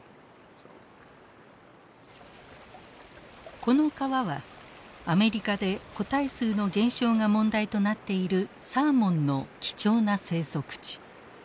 この川はアメリカで個体数の減少が問題となっているサーモンの貴重な生息地。